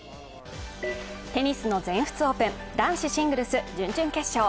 テニス全仏オープン、男子シングルス準々決勝。